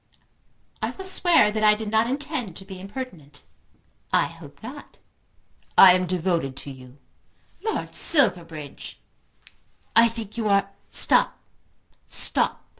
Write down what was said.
"I will swear that I did not intend to be impertinent." "I hope not." "I am devoted to you." "Lord Silverbridge!" "I think you are " "Stop, stop.